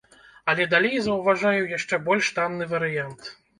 Але далей заўважаю яшчэ больш танны варыянт.